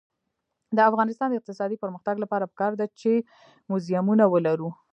د افغانستان د اقتصادي پرمختګ لپاره پکار ده چې موزیمونه ولرو.